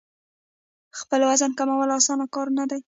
خپل وزن کمول اسانه کار نه دی.